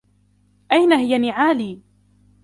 أين هي نعالي؟